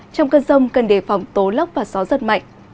trong cơn rông cần đề phòng tố lốc và gió giật mạnh